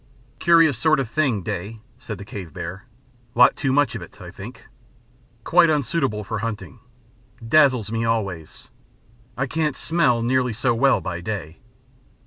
"Curious sort of thing day," said the cave bear. "Lot too much of it, I think. Quite unsuitable for hunting. Dazzles me always. I can't smell nearly so well by day."